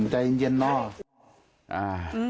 ใจเย็นเย็นเนาะ